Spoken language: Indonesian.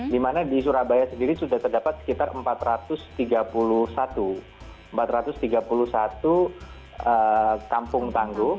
dimana di surabaya sendiri sudah terdapat sekitar empat ratus tiga puluh satu kampung tangguh